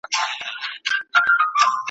له یوه بامه تر بله یې ځغستله .